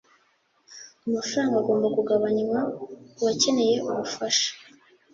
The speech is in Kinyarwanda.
amafaranga agomba kugabanywa kubakeneye ubufasha.